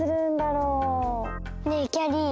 ねえきゃりー。